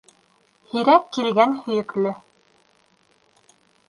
Һирәк килгән һөйөклө.